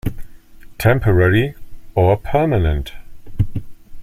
Temporary or permanent?